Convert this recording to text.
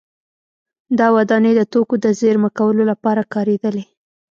دا ودانۍ د توکو د زېرمه کولو لپاره کارېدلې